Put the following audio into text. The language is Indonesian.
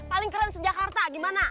paling keren sejak karta gimana